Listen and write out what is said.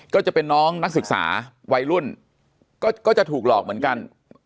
ก็จะเป็นน้องนักศึกษาวัยรุ่นก็จะถูกหลอกเหมือนกัน